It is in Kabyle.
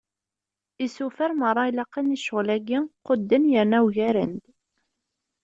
Isufar meṛṛa ilaqen i ccɣel-agi, qudden yerna ugaren-d.